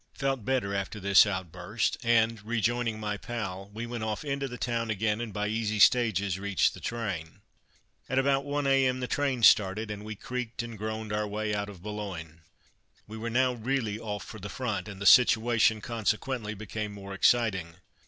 Felt better after this outburst, and, rejoining my pal, we went off into the town again and by easy stages reached the train. At about one a.m. the train started, and we creaked and groaned our way out of Boulogne. We were now really off for the Front, and the situation, consequently, became more exciting.